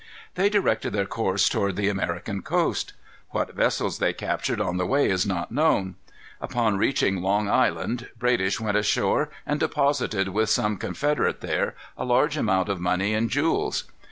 They directed their course toward the American coast. What vessels they captured on the way is not known. Upon reaching Long Island, Bradish went ashore and deposited with some confederate there a large amount of money and jewels.